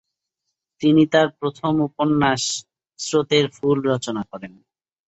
তিনি তার প্রথম উপন্যাস 'স্রোতের ফুল' রচনা করেন।